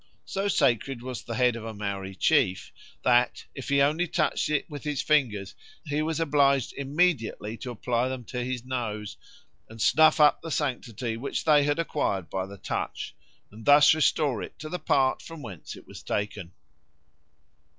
So sacred was the head of a Maori chief that "if he only touched it with his fingers, he was obliged immediately to apply them to his nose, and snuff up the sanctity which they had acquired by the touch, and thus restore it to the part from whence it was taken."